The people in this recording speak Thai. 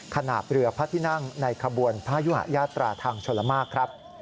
ขนาดเรือพระที่นั่งในขบวนพระยุหายาตราทางชลมากครับ